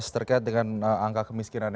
terkait dengan angka kemiskinan